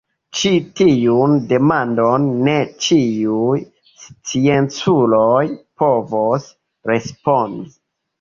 Ĉi-tiun demandon ne ĉiuj scienculoj povos respondi.